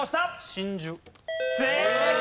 正解！